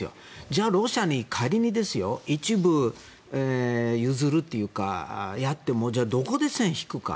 じゃあロシアに仮に一部、譲るっていうかやってもじゃあどこで線を引くか。